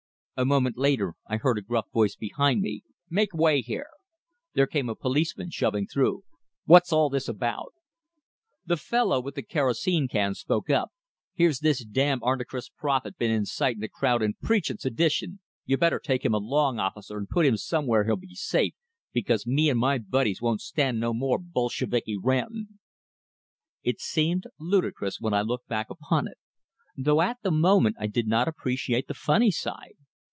A moment later I heard a gruff voice behind me. "Make way here!" There came a policeman, shoving through. "What's all this about?" The fellow with the kerosene can spoke up: "Here's this damn Arnychist prophet been incitin' the crowd and preachin' sedition! You better take him along, officer, and put him somewhere he'll be safe, because me and my buddies won't stand no more Bolsheviki rantin'." It seemed ludicrous when I looked back upon it; though at the moment I did not appreciate the funny side.